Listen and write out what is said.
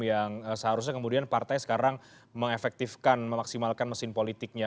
yang seharusnya kemudian partai sekarang mengefektifkan memaksimalkan mesin politiknya